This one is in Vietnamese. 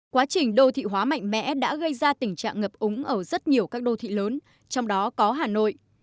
quá trình đô thị hóa mạnh mẽ đã gây ra tình trạng ngập úng ở rất nhiều các đô thị lớn trong đó có hà nội